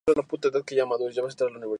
Destacan los cultivos de maíz, papa y trigo.